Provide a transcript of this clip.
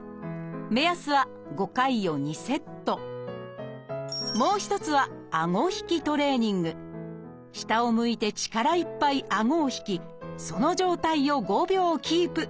目安はもう一つは下を向いて力いっぱいあごを引きその状態を５秒キープ。